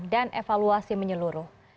dan evaluasi menyeluruh